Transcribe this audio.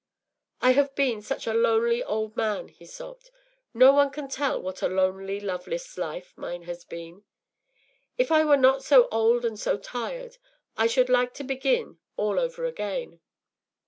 “I have been such a lonely old man,” he sobbed; “no one can tell what a lonely, loveless life mine has been. If I were not so old and so tired I should like to begin all over again.